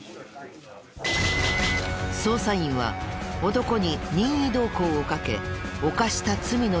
捜査員は男に任意同行をかけ犯した罪の自供を得る。